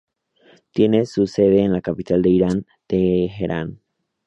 Tiene su sede en la capital de Irán, Teherán.